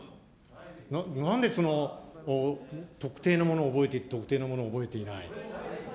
なんでその、特定のものを覚えて、特定のものを覚えていない。